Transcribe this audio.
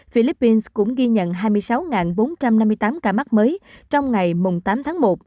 philippines cũng ghi nhận hai mươi sáu bốn trăm năm mươi tám ca mắc mới trong ngày tám tháng một